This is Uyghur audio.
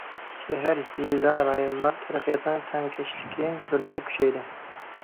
شەھەر- يېزا، رايونلار تەرەققىياتىنىڭ تەڭكەشلىكى كۆرۈنەرلىك كۈچەيدى.